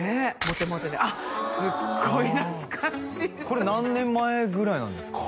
モテモテであっすっごい懐かしいこれ何年前ぐらいなんですか？